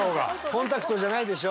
コンタクトじゃないでしょ？